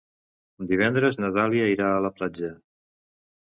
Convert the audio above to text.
Divendres na Dàlia irà a la platja.